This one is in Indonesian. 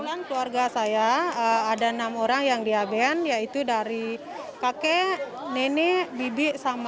dan keluarga saya ada enam orang yang di aben yaitu dari kakek nenek bibik sama sepupu